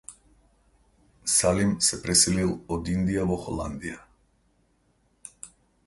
Салим се преселил од Индија во Холандија.